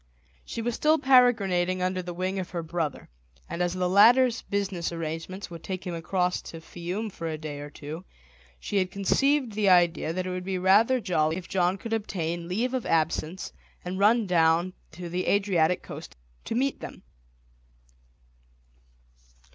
She was still peregrinating under the wing of her brother, and as the latter's business arrangements would take him across to Fiume for a day or two, she had conceived the idea that it would be rather jolly if John could obtain leave of absence and run down to the Adriatic coast to meet them.